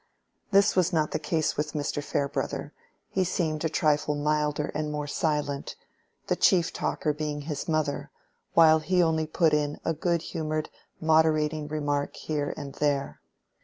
This was not the case with Mr. Farebrother: he seemed a trifle milder and more silent, the chief talker being his mother, while he only put in a good humored moderating remark here and there.